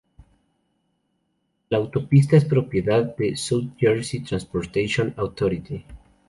La autopista es propiedad de South Jersey Transportation Authority.